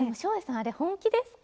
あれ本気ですか？